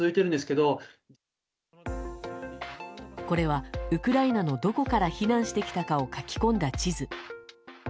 これは、ウクライナのどこから避難してきたかを書き込んだ地図。